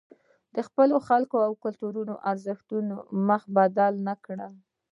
د خپلو خلکو او کلتوري ارزښتونو مخه بدله نکړي.